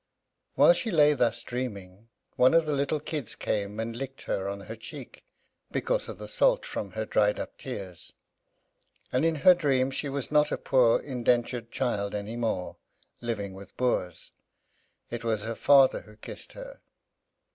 While she lay thus dreaming, one of the little kids came and licked her on her cheek, because of the salt from her dried up tears. And in her dream she was not a poor indentured child any more, living with Boers. It was her father who kissed her.